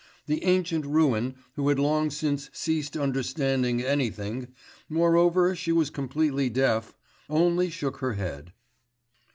The ancient ruin, who had long since ceased understanding anything moreover she was completely deaf only shook her head.